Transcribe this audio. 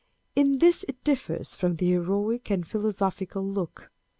In this it differs from the heroic and philosophical look.